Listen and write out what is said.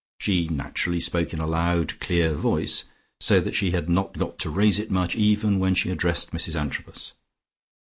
She naturally spoke in a loud, clear voice, so that she had not got to raise it much even when she addressed Mrs Antrobus.